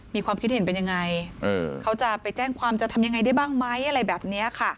มีความคิดเห็นเป็นยังไงเขาจะไปแจ้งความจะทำยังไงได้บ้างไหมอะไรแบบนี้ค่ะ